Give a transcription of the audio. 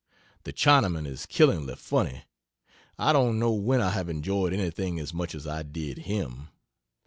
The Chinaman is killingly funny. I don't know when I have enjoyed anything as much as I did him.